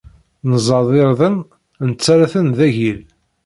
Neẓẓad irden, nettarra-ten d agil.